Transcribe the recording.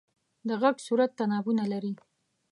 د غږ صورت تنابونه لري.